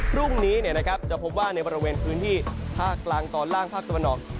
พรุ่งนี้จะพบว่าในบริเวณพื้นที่ภาคกลางตอนล่างภาคตะวันออก